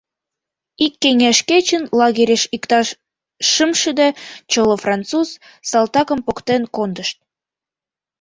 Ик кеҥеж кечын лагерьыш иктаж шымшӱдӧ чоло француз салтакым поктен кондышт.